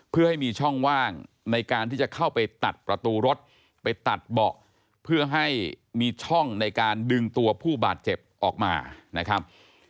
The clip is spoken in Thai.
เพื่อให้มีช่องว่างในการที่จะเข้าไปตัดประตูรถไปตัดเบาะเพื่อให้มีช่องในการดึงตัวผู้บาดเจ็บออกมานะครับ